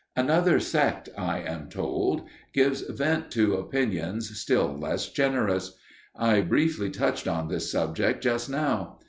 Another sect, I am told, gives vent to opinions still less generous. I briefly touched on this subject just now.